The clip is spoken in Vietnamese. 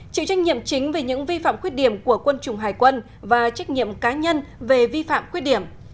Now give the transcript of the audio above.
chịu trách nhiệm chính về những vi phạm khuyết điểm của quân chủng hải quân và trách nhiệm cá nhân về vi phạm khuyết điểm